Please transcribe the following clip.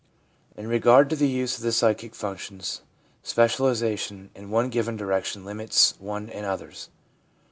In regard to the use of the psychic functions, specialisation in one given direction limits one in others.